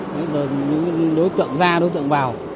bây giờ những đối tượng ra đối tượng vào